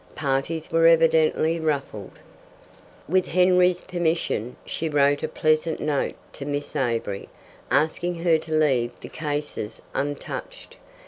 Parties were evidently ruffled. With Henry's permission, she wrote a pleasant note to Miss Avery, asking her to leave the cases untouched.